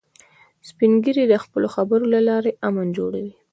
سپین ږیری د خپلو خبرو له لارې امن جوړوي